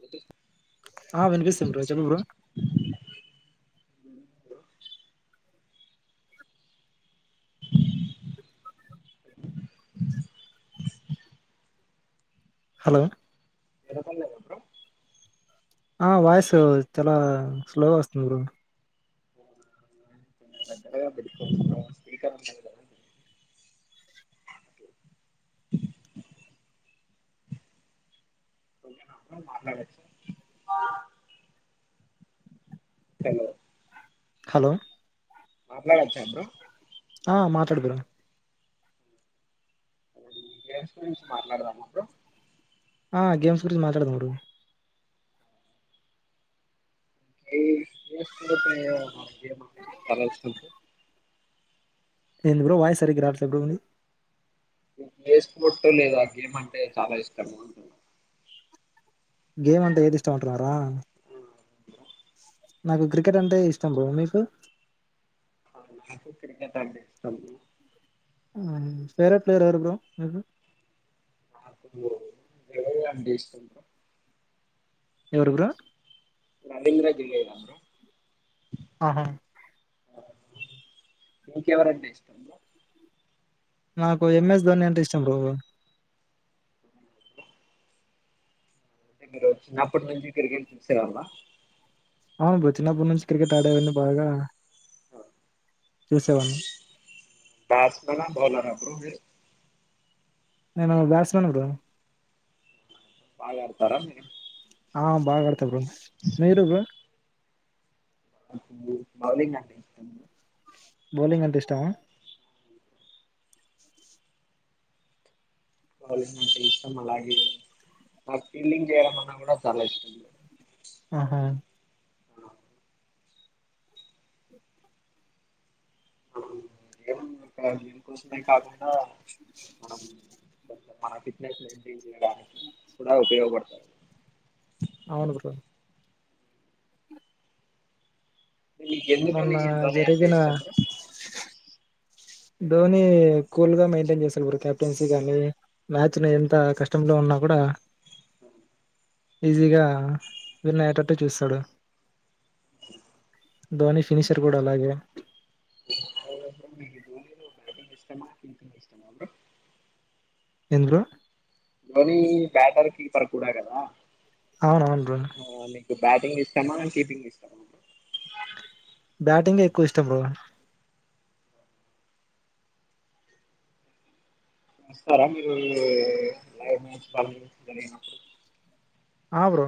లేదు ఆ వినిపిస్తుంది బ్రో చెప్పు బ్రో ఏమైంది బ్రో హలో ఇనపలేదా బ్రో ఆ వాయిస్ చాలా స్లోగా వస్తుంది బ్రో ఆ బయటికి పోతున్న స్పీకర్ ఆన్ [unintelligible] ఓకేనా బ్రో మాట్లాడొచ్చా హలో హలో మాట్లాడచ్చ బ్రో ఆ మాట్లాడు బ్రో గెమ్స్ గురించి మాట్లాడదామా బ్రో ఆ గేమ్స్ గురించి మాట్లాడదం బ్రో నీకు ఏ [unintelligible] చాలా వస్తుంది బ్రో ఏంది బ్రో వాయిస్ సరిగా రాట్లేదు బ్రో నీది నువ్ [unintelligible] లేదా గేమ్ అంటే చాలా ఇష్టము అంటున్నా గేమ్ అంటే ఏది ఇష్టమంటున్నారా [inaudible] నాకు క్రికెట్ అంటే ఇష్టం బ్రాబ మీకు ఆ నాకు క్రికెట్ అగే ఇష్ట ఫేరట్ ప్లేయర్ యారు బర మీకు నాకువ అండిస్తుంట ఎవరు బ్రో రాజేంద్ర గిరియిరారు ఆహా ఎక ఎవరన్న ఇష్టం నాకు ఎంఎస్ ధోని అంటే ఇష్టం బాబు అయితే మీరు చిన్నప్పటి నుంచి తిరిగి వెళ్ళి చూసే వాళ్ళ అవునుప్పు చిన్నప్పటి నుంచి క్రికెట్ ఆడేవన్నీ బాగా [inaudible] చూసేవాడి దస్లో బాలరా బ్రో నా బట్స్మన్ బ్రో బాగా ఆడతారా మీరు ఆ బాగా ఆడత బ్ర మీరు బ్రో బౌలింగ్ బౌలింగ్ ఎంత ఇష్టవా వాళ అంత ఇష్టం అలాగ నాకు ఫీల్డింగ్ చేయడం అన్నా కూడా చాలా ఇష్టం ఆహా [inaudible] ఏ దనికోసమే కాకుండా మనం మ ఫిట్స్ మ చే ఉపయో పడతు [inaudible] అవును బ్రో నీక ఎందుకని మొన్న ధ్వని అంటే జరిగిన ఇష్టన్నారు ధోని కూల్గా మెయింటైన్ చేస్తారు బ కెప్టెన్సీ కానీ మ్యాచ్ను ఎంత కష్టంలో ఉన్నా కూడా అ ఈజీగా విన్న అయ్యేటట్టు చూస్తాడు ధోని ఫినిషర్ కూడా అలాగే బటింగ్ ఇష్టమా పింకింగ్ ఇష్టమా బ్రో ఏంది బ్రో ధోని బ్యాటర్కి పరకడా కదా అవున అవును ఆ, మీకు బ్యాటింగ్ ఇస్తామా కీపింగ్ ఇస్తామా బ్యాటింగ్ ఎక్కువ ఇష్టం బ్రో నమస్తారా మీరు లైవ్ మ్యాచ్ బాగా జరిగినప్పుడు ఆ బ్రో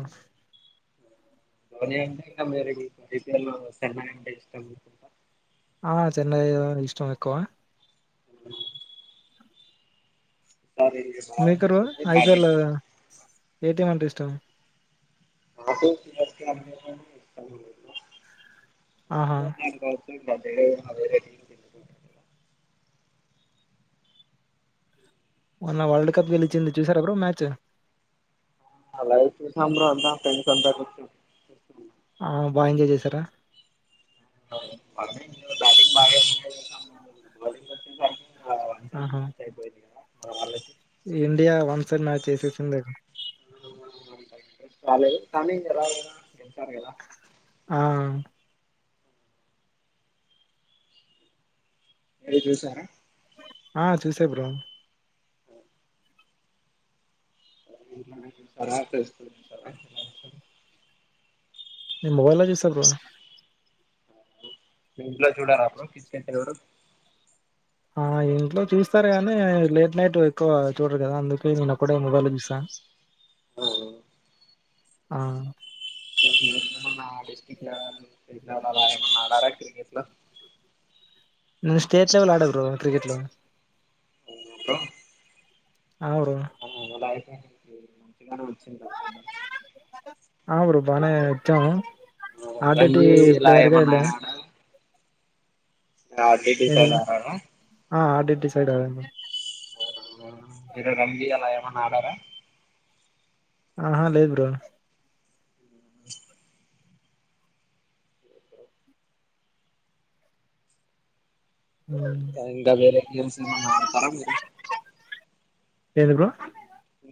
ధోని అంటే ఇ మీరు సర్మా అంటే ఇష్ట ఆ చెన్నైద ఇష్టం నికువ అ మీకరు బాగున్నట్టుంది ఐపిఎల్ బ్యాటింగ్ ఏటీఎల్ ఎఅంటే ఇష్టం నాకు త అ ఆహా ఇష్ట ఇ అదే అ రీతి మన్న వరల్డ్ కప్ గెలిచింది చూసార ఎప్పు మ్యాచ్ అలా సాం అదా పెంస్ంతా ఆ బాగా ఎంజాయ్ చేసారా [unintelligible] ఆహా [unintelligible] ఇండియా వన్ సైడ్ మ్యాచ్ చేసేసింది [unintelligible] కదా ఆ మీరు చూసారా ఆ చూసా బ్రో [unintelligible] నేను మొబైల్ లో చూసా బ్రో మీ ఇంట్లో చూడరా బ్రో క్రికెట్ ఎవరు ఇంట్లో చూస్తారు కానీ లేట్ నైట్ ఎక్కువ చూడరు కదా అందుకే నేను అక్కడే మొబైల్లో చూసాను అవున ఆ మీరేమన్నా డిస్టిక్ లెవెల్ స్టేట్ లెవెల్ ఆడారా క్రికెట్లో నేను స్టేట్ లెవెల్ ఆడా బ్రో క్రికెట్లో బ్రో ఆ బ్రో పేరు మంచిగానే వచ్చుంటది కదా బ్రో ఆ బ్రో బానే వచ్చాము ఆర్టిటి రంజీ ఇలా ప్లేయర్గా ఏమన్నా వెళ్ళాను ఆయన ఆడారా [unintelligible] డిసైడ్ అవ్వము అవునా మీర రంజీ అలా ఏమన్నా ఆడారా ఆహా లేదు బ్రో హ్మ్. ఇంకా వేరే గేమ్స్ ఏమన్నా ఆడతారా మీరు ఏంది బ్రో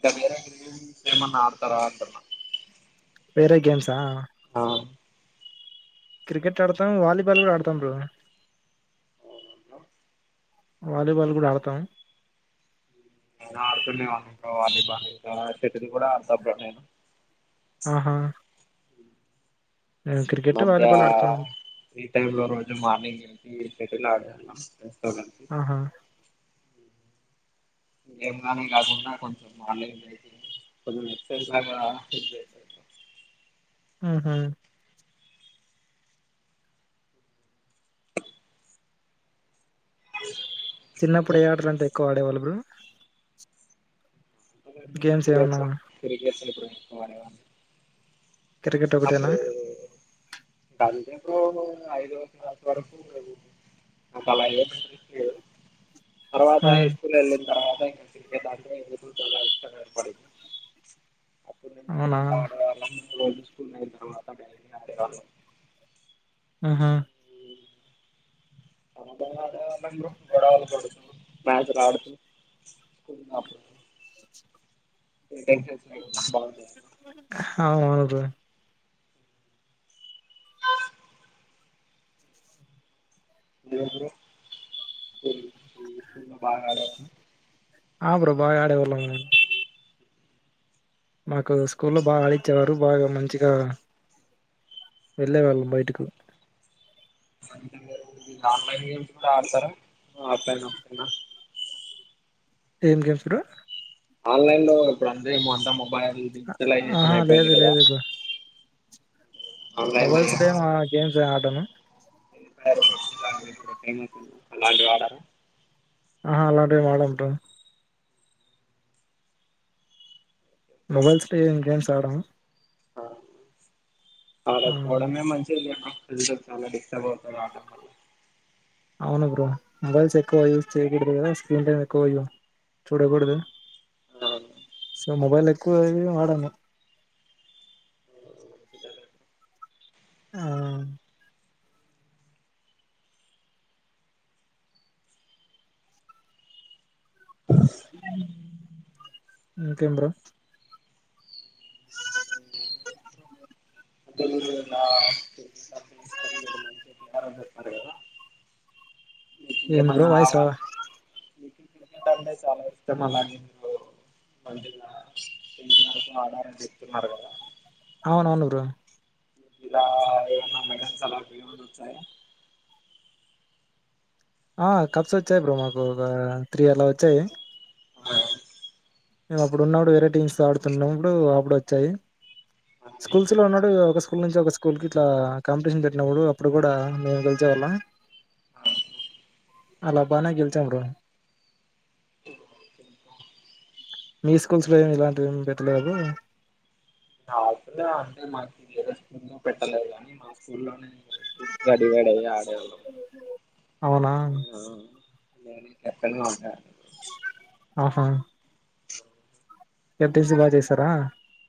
ఇంకా వేరే గేమ్స్ ఏమన్నా ఆడతారా అంటున్న వేరే గేమ్స్ ఆ ఆ క్రికెట్ ఆడతాం వాలీబాల్ కూడా ఆడతాం బ్రో వాలీబాల్ కూడా ఆడతాం ఆడుకునే వాళ్ళం బ్రో వాలీబాల్ షటిల్ కూడా ఆడతా నేను ఆహా మేము క్రికెట్ అబ్బే వాలీబాల్ ఆడతాం ఫ్రీ టైమ్ లో రోజు మార్నింగ్ ఏంటి షటిల్ ఆడాను జస్ట్ ఒక ఆహా ఏం కానీ కాకున్న కొంచెం మా [unintelligible] కొంచెం ఎక్సైజ్ లో కూడా పెట్టొచ్చు ఆహా చిన్నప్పుడు ఏ ఆటలు అంటే ఎక్కువ ఆడేవాళ్ళు బ్రో గేమ్స్ ఏమన్నా చిన్నప్పుడు అంటే క్రికెట్ బ్రో ఎక్కువ ఆడేవాళ్ళం క్రికెట్ ఒకటేనా చిన్నప్పుడు ఇంకా అందరం ఐదో క్లాస్ వరకు చదువుకున్న అంత వరకు లేరు తర్వాత హై హ్మ్. స్కూల్ వెళ్ళిన తర్వాత ఇంకా క్రికెట్అంటే ఎందుకు చాలా ఇష్టం ఏర్పడింది అప్పుడు నుంచి మేము అవునా ఇలా ఆడే వాళ్ళము రోజు స్కూల్ అయిన తర్వాత గ్రౌండ్లో ఆడేవాళ్ళం ఆహా ఉమ్, [unintelligible] [inaudible] [unintelligible] అవునవును బ్రో ఆ ని బాగాడ ఆ ప్రభా ఆడే వెళ్ళ ఉను మాకు స్కూల్ లో బాగా ఆడిచ్చేవారు బాగా మంచి వెళ్ళి వళ్ళం పోయిట్కు అంటే మీరు ఆన్లైన్ గేమ్స్ కూడా ఆడతారా ఆఫలైన్ ఏం గేమ్స్రా ఆన్లైన్ లో ఇప్పుడు అందేమో అంతా మొబైల్ ఆహా డిజిటలైజేషన్ అయిపోయింది లేదు కదా ఆన్లైన్ లో ఏం మొబైల్స్డే గేమ్స్ ఆటను ఫంటి వాళ్డర ఆహా అలాంటివి మాడ ఉంటాం ఎప్పుడు మొబైల్స్ లో గేమ్స్ ఆడ ఆ ఆడకపోవడమే మంచిగా లేస చాలా డిస్టర్బ్ అవుతారు ఆవటడం వల్ల అవును బ్రో మొబైల్స్ ఎక్కువ యూస్ చేయ్య కదా స్క్రీన్ టైం ఎక్కువ చూడకూడదు ఆ సో మొబైల్ ఎక్కువ వాడను ఆ ఇంకెంబ్రో [unintelligible] మీకు ఏం బ్రో ఏమన్నా వాయిస్ అవార్డ్స్ [unintelligible] క్రికెట్ అంటే చాలా ఇష్టం అలా నేను మళగా పినరకు ఆడారని చెప్తున్నారు కదా అవున అవును బ్రో [unintelligible] ఆ కప్స్ వచ్చాయి బ్రో మాకు ఒక త్రీ అలా వచ్చాయి ఆ మేము అప్పుడు ఉన్నప్పుడు వేరే టీమ్స్ ఆడుతున్నప్పుడు అప్పుడు వచ్చాయి స్కూల్స్ లో ఉన్నాడు ఒక స్కూల్ నుంచి ఒక స్కూల్ కి ఇట్లా కాంపిటీషన్ పెట్టినప్పుడు అప్పుడు కూడా మేము కలిస హలో అలా బానే గెలుచాం బ్రో మీ స్కూల్స్ లో ఇలాంటి ఏమి పెట్టలేదా అట్లే అంటే [unintelligible] పెట్టలేదు కాని మా స్కూల్లోనే అవునా [unintelligible] ఎక్కడ [unintelligible] ఆహా ఎటీసి బాగ చేసారా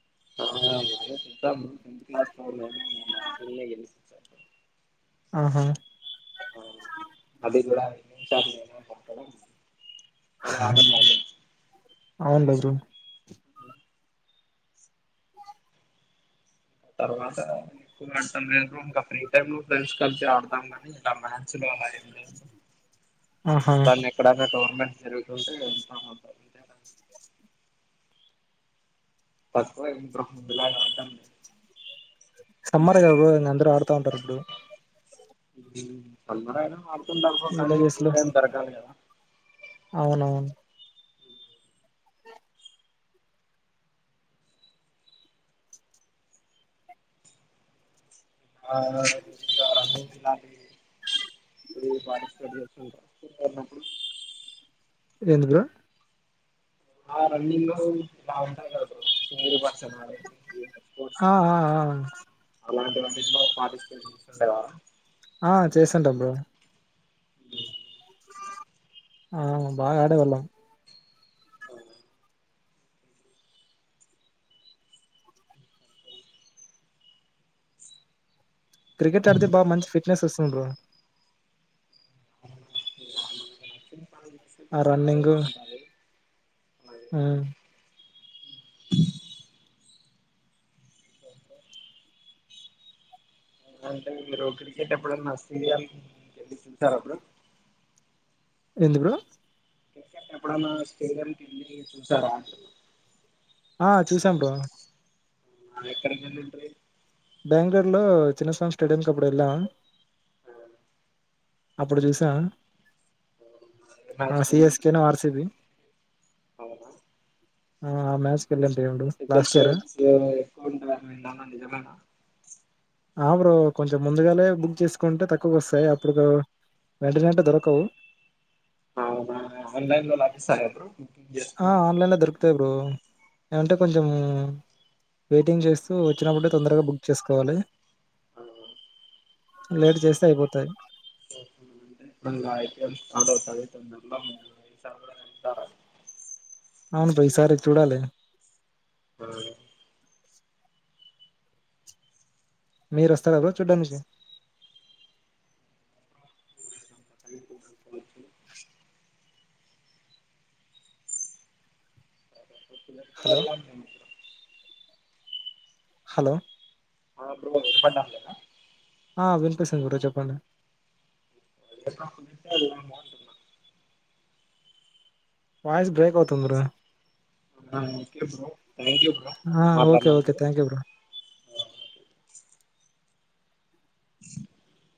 [unintelligible] ఆహా ఆ, అది కూడా విన్నింగ్ షాట్ నేనే కొట్టడం అలా ఆడను వాళ్ళు అవున్లె బ్రో అ తర్వాత ఎక్కువ ఆడతాం నను ఇంకా ఫ్రీ టైమ్ లో ఫ్రెండ్స్ కలిసి ఆడతాం ని ఇలా మ్యాచ్స్ లో ఆహా ఎప్పుడన్న ఎక్కడ అడినవ్ [unintelligible] జరుగుతుంటే [unintelligible] తక్కువే [unintelligible] సమ్మర్ కదా బ్రో అందరూ ఆడుతా ఉంటారు ఇప్పుడు మ్మ్ సమ్మరైన ఆడుతుంటారు పో కానీ విలేజెస్ ఫ్రీ లో టైమ్ దొరకాలి కదా అవునవును ఆనందించాలండి ఇలాంటివి మీరు పార్టిసిపేట్ చేస్తుంటారా ఫ్రీగా ఉన్నప్పుడు ఎందుకురా ఆ రన్నింగ్ లో ఇలా ఉంటది కదా బ్రో సింగిల్ పర్సన్ ఆడేది ఆ ఆ ఆ అలాంటి వాంటిలో పార్టిసిపేట్ చేస్తుండేనా ఆ చేస్తుంటా బ్రో ఆ బాగా ఆడేవాళ్ళం క్రికెట్ ఆడితే బాగా మంచి ఫిట్నెస్ వస్తుంది బ్రో ఆ హాయిగా రన్నింగు ఉంటది మ్మ్ అ స అంటే మీరు క్రికెట్ ఎప్పుడన్నా స్టేడియం కెళ్ళి చూశారా బ్రో ఏంది బ్రో క్రికెట్ ఎప్పుడన్నా స్టేడియంకేళ్ళి చూశారా అంటున్న ఆ చూసాం బ్రో ఆ ఎక్కడికెళ్లింట్రి బెంగళూరులో చిన్నస్వామి స్టేడియంకి అప్పుడు వెళ్ళామా అప్పుడు చూసా ఆ మ్యాచ్ కి వెళ్ళింట్రి సీఎస్కే ను ఆర్సిబి అవునా ఆ మ్యాచ్కి వెళ్ళాం దేవుడు మీకోటి తెలుసు లాస్ట్ ఇయర్ కాబట్టి సీయర్ మీరు ఎక్కువింటారని విన్నాను నిజమేనా ఆ బ్రో కొంచెం ముందుగానే బుక్ చేసుకుంటే తక్కువకు వస్తాయి అప్పుడు వెంటనే అంటే దొరకవు అవునా ఆన్లైన్లో లభిస్తాదా బ్రో బుకింగ్ ఆ చేసుకోవడం ఆన్లైన్లో దొరుకుతాయి బ్రో ఏమంటే కొంచెం వెయిటింగ్ చేస్తూ వచ్చినప్పుడే తొందరగా బుక్ చేసుకోవాలి హలో లేట్ చేస్తే అయిపోతాయి ఇప్పుడు ఇంకా ఐపీఎల్ స్టార్ట్ అవుతది తే వెళ్దాం మీరు ఈసారి కూడా వెళ్తారా అవును బ్రో ఈసారి చూడాలి మీరోస్తారా బ్రో చూడ్డానికి మా తల్లి పిల్లతో పోవచ్చు ఒకే లెక్క హలో అల్లం మేమిప్పుడు హలో ఆ బ్రో వినపడం లేదా ఆ వినిపిస్తుంది బ్రో చెప్పండి ఏం చేస్తున్నావ్ అప్పట్నుంచి యడికన్నా పోంటున్న వాయిస్ బ్రేక్ అవుతుంది బ్రో అవునా ఓకే బ్రో థాంక్యూ బ్రో ఆ ఓకే ఓకే మాట్లాడినందుకు థ్యాంక్ యూ బ్రో [unintelligible]